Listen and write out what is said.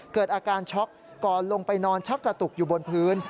เกิดอาการช็อกก่อนลงไปนอนชักกระตุกอยู่บนพื้น